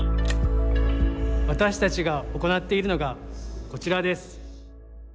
私たちが行っているのがこちらです。